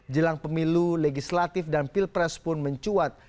jelang pemilu legislatif dan pilpres pun mencuat